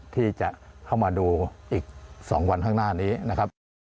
ที่จะเข้ามาดูอีก๒วันข้างหน้านี้นะครับ